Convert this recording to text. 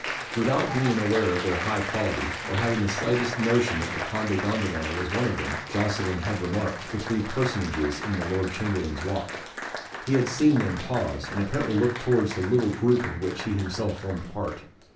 Without being aware of their high quality, or having the slightest notion that the Conde Gondomar was one of them, Jocelyn had remarked the three personages in the Lord Chamberlain's Walk. He had seen them pause, and apparently look towards the little group of which he himself formed part.